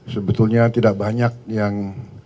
sebetulnya tidak banyak yang